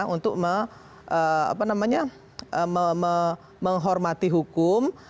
untuk menghormati hukum